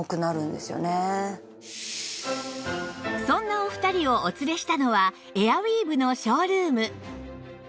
そんなお二人をお連れしたのはエアウィーヴのショールーム